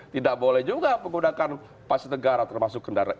tidak boleh juga menggunakan fasilitas negara termasuk kendaraan